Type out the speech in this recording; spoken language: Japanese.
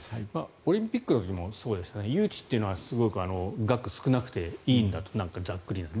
オリンピックの時もそうですが誘致というのはすごく額が少なくて、いいんだとざっくりで。